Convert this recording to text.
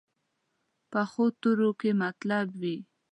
پخو تورو کې مطلب وي